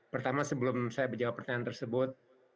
pertama sebelum saya menjawab pertanyaan tersebut